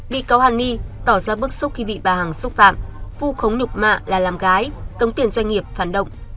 bị cáo hàn ni tỏ ra bức xúc khi bị bà hằng xúc phạm vu khống nục mạ là làm gái tống tiền doanh nghiệp phản động